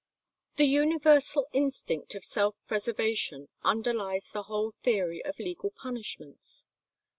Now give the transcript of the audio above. The universal instinct of self preservation underlies the whole theory of legal punishments.